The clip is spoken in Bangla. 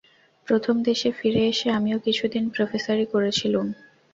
প্রথম দেশে ফিরে এসে আমিও কিছুদিন প্রোফেসারি করেছিলুম।